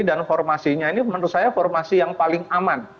dan formasinya ini menurut saya formasi yang paling aman